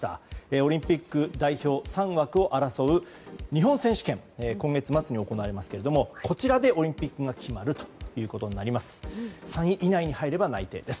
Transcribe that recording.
オリンピック代表３枠を争う日本選手権が今月末に行われますがこちらでオリンピックが決まることになります。